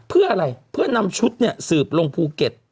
เพื่ออะไรเพื่อนำชุดเนี่ยสืบลงภูเก็ต